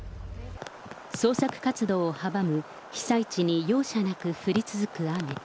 捜索活動を阻む、被災地に容赦なく降り続く雨。